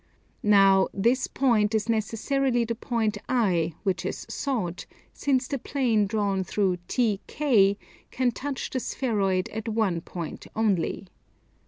Now this point is necessarily the point I which is sought, since the plane drawn through TK can touch the spheroid at one point only.